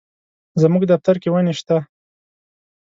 زموږ دفتر کي وني شته.